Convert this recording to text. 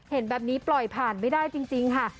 เห็นแบบนี้ปล่อยผ่านไม่ได้จริงค่ะ